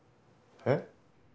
えっ？